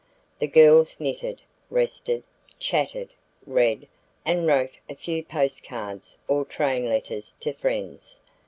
The girls knitted, rested, chatted, read, and wrote a few postcards or "train letters" to friends.